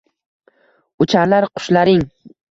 ucharlar qushlaring –